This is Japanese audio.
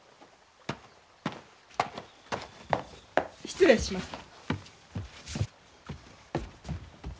失礼します。